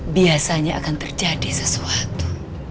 biasanya akan terjadi sesuatu